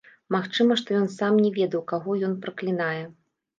Магчыма, што ён сам не ведаў, каго ён праклінае.